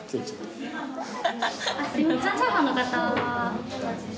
半チャーハンの方。